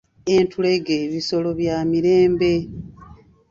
Entulege bisolo bya mirembe.